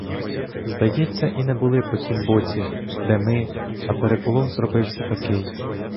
Здається, і не були по тім боці, де ми, а переполох зробився такий!